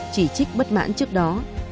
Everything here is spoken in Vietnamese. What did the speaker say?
chỉ trích bất mãn trước đó